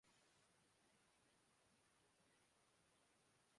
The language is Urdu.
میری کے بالوں کے نئے انداز نے اسے بھیڑ میں بھی منفرد کر دیا تھا۔